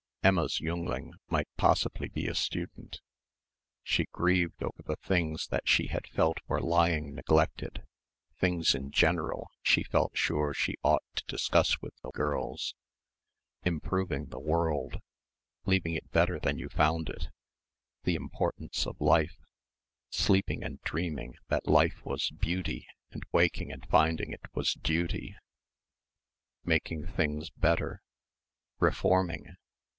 Emma's jüngling might possibly be a student.... She grieved over the things that she felt were lying neglected, "things in general" she felt sure she ought to discuss with the girls ... improving the world ... leaving it better than you found it ... the importance of life ... sleeping and dreaming that life was beauty and waking and finding it was duty ... making things better, reforming